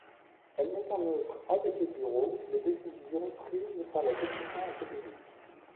Il met en œuvre, avec le Bureau, les décisions prises par la Commission académique.